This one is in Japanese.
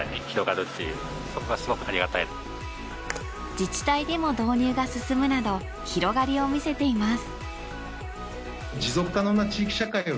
自治体でも導入が進むなど広がりを見せています。